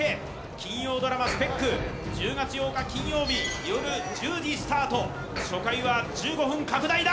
金曜ドラマ「ＳＰＥＣ」１０月８日金曜日夜１０時スタート初回は１５分拡大だ！